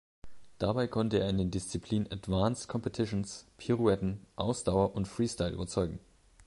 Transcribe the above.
Dabei konnte er in den Disziplinen Advanced Competitions, Pirouetten, Ausdauer und Freestyle überzeugen.